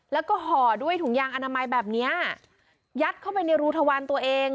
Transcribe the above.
แล้วก็ห่อด้วยถุงยางอนามัยแบบเนี้ยยัดเข้าไปในรูทวารตัวเอง